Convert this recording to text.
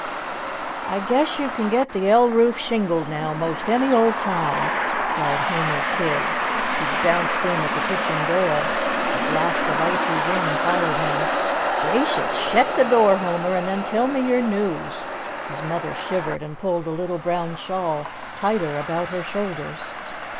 "I guess you can get the ell roof shingled now, 'most any old time," cried Homer Tidd. He bounced in at the kitchen door. A blast of icy wind followed him. "Gracious! shet the door, Homer, an' then tell me your news." His mother shivered and pulled a little brown shawl tighter about her shoulders.